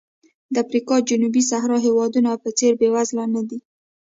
د افریقا جنوبي صحرا هېوادونو په څېر بېوزله نه و.